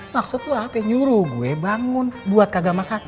maksudku apa yang nyuruh gue bangun buat kagak makan